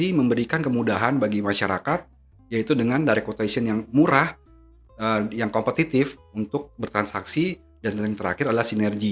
ini memberikan kemudahan bagi masyarakat yaitu dengan direct quotation yang murah yang kompetitif untuk bertransaksi dan yang terakhir adalah sinergi